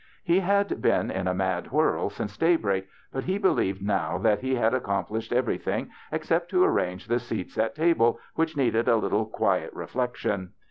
He had been in a mad whirl since daybreak, but he believed now that he had accomplished everything except to arrange the seats at table, which needed a little quiet reflection.